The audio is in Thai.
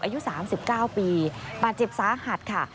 อายุ๓๙ปีบาดเจ็บสาหัสค่ะ